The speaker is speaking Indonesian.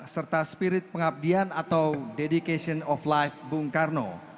serta spirit pengabdian atau dedication of life bung karno